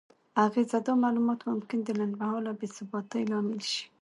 اغیزه: دا معلومات ممکن د لنډمهاله بې ثباتۍ لامل شي؛